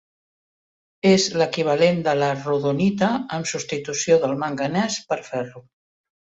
És l'equivalent de la rodonita amb substitució del manganès per ferro.